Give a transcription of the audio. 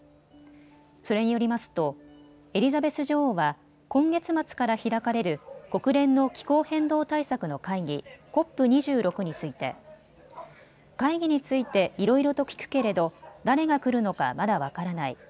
それによりますとエリザベス女王は今月末から開かれる国連の気候変動対策の会議、ＣＯＰ２６について会議についていろいろと聞くけれど誰が来るのかまだ分からない。